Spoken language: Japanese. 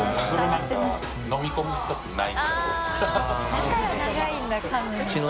だから長いんだかむの。